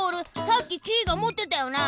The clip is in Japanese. さっきキイがもってたよな？